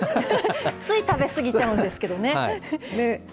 つい食べ過ぎちゃうんですけどね。